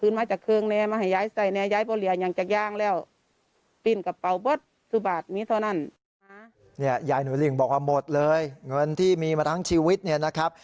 ยายหนูลิงบอกว่าหมดเลยเงินที่มีมาทั้งชีวิตเนี่ยนะครับ